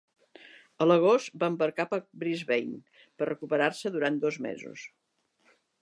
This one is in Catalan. A l'agost, va embarcar cap a Brisbane per recuperar-se durant dos mesos.